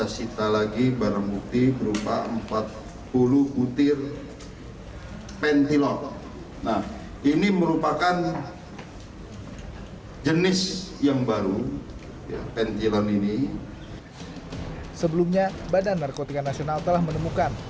sebelumnya badan narkotika nasional telah menemukan